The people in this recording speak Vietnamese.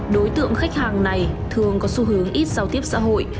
đối tượng khách hàng này thường có xu hướng ít giao tiếp xã hội